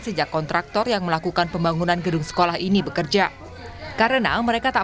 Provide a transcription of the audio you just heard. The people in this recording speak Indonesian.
sejak kontraktor yang melakukan pembangunan gedung sekolah ini bekerja karena mereka tak